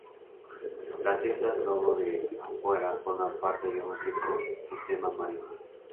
Las islas Lobos de Afuera forman parte de un rico sistema marino.